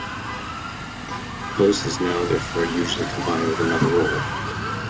The post is now therefore usually combined with another role.